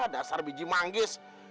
dasar biji manggis